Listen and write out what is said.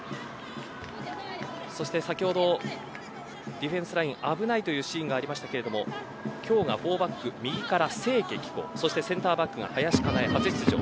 そして、先ほどディフェンスライン危ないというシーンがありましたが今日が４バック右から清家貴子そしてセンターバックが林香奈絵、初出場。